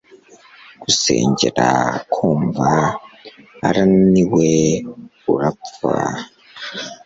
gusengera ku mva, urananiwe, urapfa